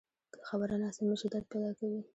که خبره ناسمه شي، درد پیدا کوي